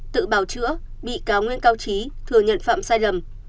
tự bào chữa bị cáo nguyễn cao trí thừa nhận phạm sai lầm